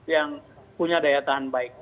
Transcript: yang punya daya tahan baik